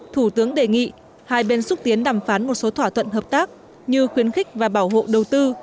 thủ tướng đề nghị hai bên xúc tiến đàm phán một số thỏa thuận hợp tác như khuyến khích và bảo hộ đầu tư